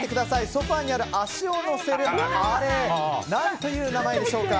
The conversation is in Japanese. ソファにある足を乗せるあれ何という名前でしょうか？